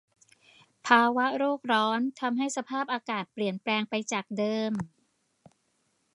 ภาวะโลกร้อนทำให้สภาพอากาศเปลี่ยนแปลงไปจากเดิม